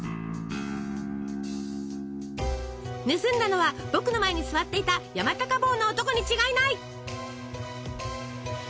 「盗んだのは僕の前に座っていた山高帽の男に違いない！」。